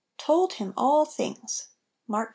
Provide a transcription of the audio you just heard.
"Told Him all things."— Mabk vi.